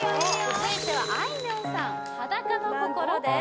続いてはあいみょんさん「裸の心」です